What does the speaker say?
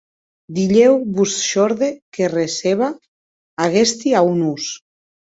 Dilhèu vos shòrde que receba aguesti aunors?